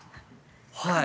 はい。